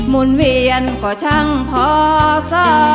นเวียนก็ช่างพอสอ